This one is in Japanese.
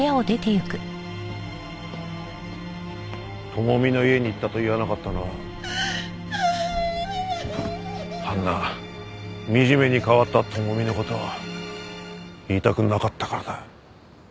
智美の家に行ったと言わなかったのはあんな惨めに変わった智美の事を言いたくなかったからだ。